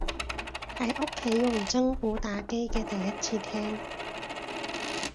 喺屋企用真鼓打機嘅第一次聽